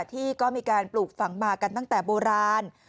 ที่ก็มีการปลูกฝังมากันตั้งแต่โบราณ